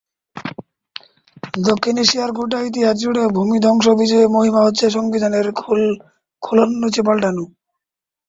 দক্ষিণ এশিয়ার গোটা ইতিহাসজুড়ে ভূমিধস বিজয়ের মহিমা হচ্ছে সংবিধানের খোলনলচে পাল্টানো।